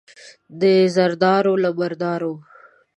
د زردارو، له مردارو.